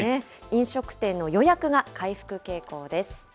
飲食店の予約が回復傾向です。